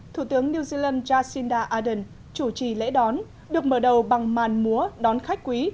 thủ tướng new zealand jacinda ardern chủ trì lễ đón được mở đầu bằng màn múa đón khách quý